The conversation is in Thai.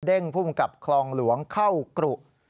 เด้งผู้บังกับคลองหลวงเข้ากรุ